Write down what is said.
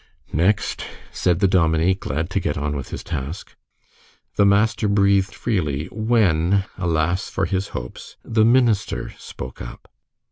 "Next," said the dominie, glad to get on with his task. The master breathed freely, when, alas for his hopes, the minister spoke up.